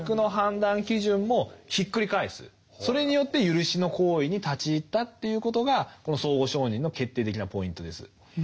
それによって赦しの行為に立ち入ったということがこの相互承認の決定的なポイントです。